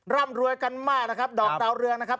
ร่ำรวยกันมากนะครับดอกดาวเรืองนะครับ